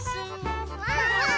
ワンワーン！